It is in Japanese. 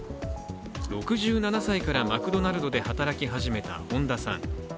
６７歳からマクドナルドで働き始めた本田さん。